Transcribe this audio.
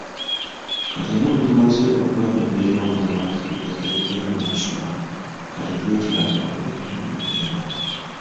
Kati nga bwe tumaze okulaba embeera omwana w’Afirika gy’ayigiramu okusoma kati twetaaga okutema empenda.